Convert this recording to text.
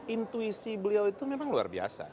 intuisi beliau itu memang luar biasa